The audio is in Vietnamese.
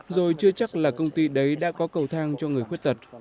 rồi chưa chắc là công ty đấy đã có cầu thang cho người khuyết tật